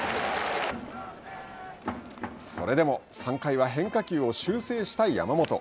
それでも３回は変化球を修正した山本。